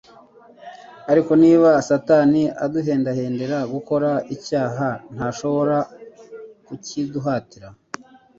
Ariko niba Satani aduhendahendera gukora icyaha, ntashobora, kukiduhatira!